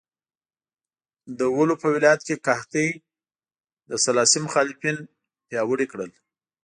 د ولو په ولایت کې قحطۍ د سلاسي مخالفین پیاوړي کړل.